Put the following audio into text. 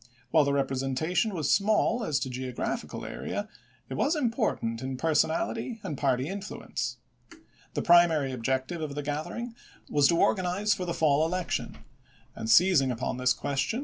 While the rep resentation was small as to geographical area, it was important in personal and party influence. The primary object of the gathering was to organize for MISSOURI GUERRILLAS AND POLITICS 393 the fall election ; and, seb^ing upon this question ch.